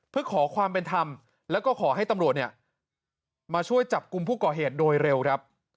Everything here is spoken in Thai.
เพื่อขอความเป็นธรรมแล้วก็ขอให้ตำรวจเนี่ยมาช่วยจับกลุ่มผู้ก่อเหตุโดยเร็วครับ